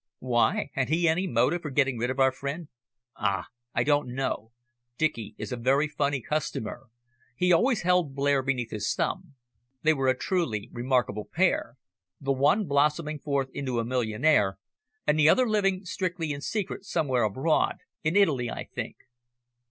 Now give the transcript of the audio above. "Why? Had he any motive for getting rid of our friend?" "Ah! I don't know. Dicky is a very funny customer. He always held Blair beneath his thumb. They were a truly remarkable pair; the one blossoming forth into a millionaire, and the other living strictly in secret somewhere abroad in Italy, I think."